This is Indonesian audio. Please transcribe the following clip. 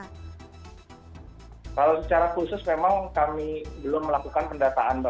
kalau secara khusus memang kami belum melakukan pendataan mbak